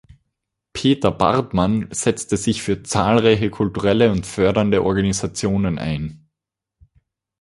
Peter Bartmann setzte sich für zahlreiche kulturelle und fördernde Organisationen ein.